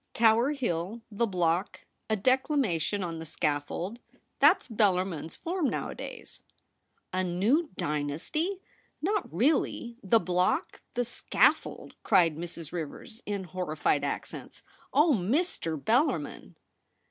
Tower Hill; the block; a decla mation on the scaffold ! That's Bellarmin s form nowadays.' ' A new dynasty ! not really ? The block ! the scaffold !' cried Mrs. Rivers in horrified accents. * Oh, Mr. Bellarmin